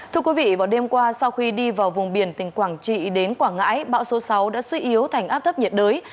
thưa quý vị vào đêm qua sau khi đi vào vùng biển tỉnh quảng trị đến quảng ngãi bão số sáu đã suy yếu thành áp thấp nhiệt đới